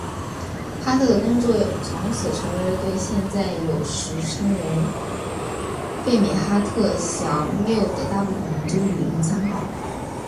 哈特的工作从此成为了对现在有时称为费米哈特佯谬的大部分研究的理论参考。